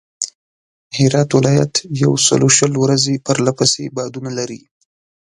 هرات ولایت یوسلوشل ورځي پرله پسې بادونه لري.